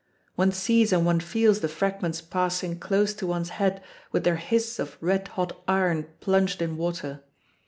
One sees and one feels the fragments passing close to one's head with their hiss of red hot iron plunged in water.